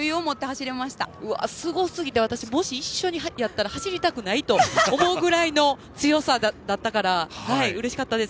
もし私、一緒やったら走りたくないと思うぐらいの強さだったからうれしかったです。